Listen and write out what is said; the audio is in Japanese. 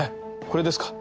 これですか？